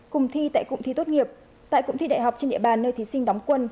cùng thi tại cụm thi tốt nghiệp tại cụm thi đại học trên địa bàn nơi thí sinh đóng quân